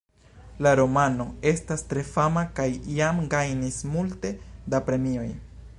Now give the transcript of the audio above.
La romano estas tre fama kaj jam gajnis multe da premioj.